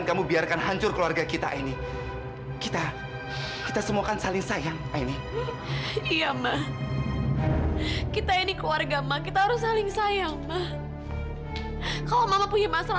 sampai jumpa di video selanjutnya